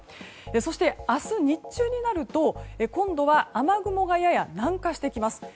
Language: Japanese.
そして、明日日中になると今度は雨雲がやや南下してきます。